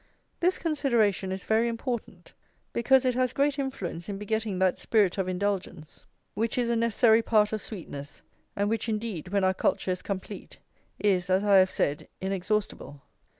This consideration is very important, because it has great influence in begetting that spirit of indulgence which is a necessary part of sweetness, and which, indeed, when our culture is complete, is, as I have said, inexhaustible.